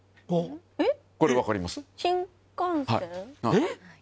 えっ？